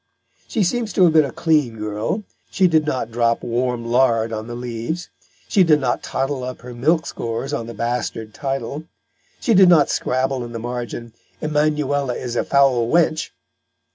She seems to have been a clean girl. She did not drop warm lard on the leaves. She did not tottle up her milk scores on the bastard title. She did not scribble in the margin "Emanuella is a foul wench."